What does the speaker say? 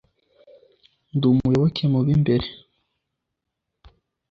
Ndi umuyoboke mu b'imbere,